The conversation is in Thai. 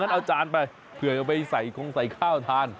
เอาจานไปเผื่อจะไปใส่คงใส่ข้าวทาน